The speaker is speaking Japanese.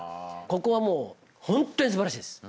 ここはもうほんとにすばらしいです。